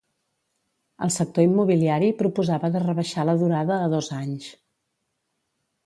El sector immobiliari proposava de rebaixar la durada a dos anys.